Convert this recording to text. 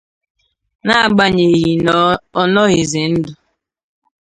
n'agbanyeghị na ọ nọghịzị ndụ.